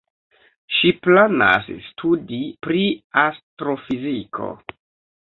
Ŝi planas studi pri astrofiziko.